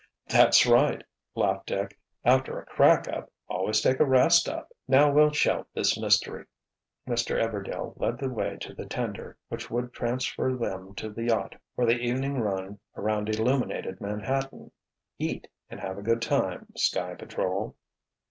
"That's right," laughed Dick. "After a crack up, always take a rest up." "Now we'll shelve this mystery." Mr. Everdail led the way to the tender which would transfer them to the yacht for the evening run around illuminated Manhattan. "Eat, and have a good time, Sky Patrol."